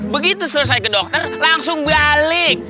begitu selesai ke dokter langsung balik